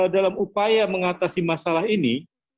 dalam upaya mengatasi masalah ini